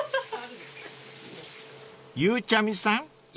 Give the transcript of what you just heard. ［ゆうちゃみさんいかが？］